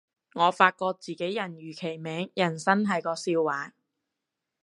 我發覺自己人如其名，人生係個笑話